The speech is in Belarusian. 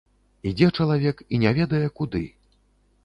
Ідзе чалавек і не ведае куды.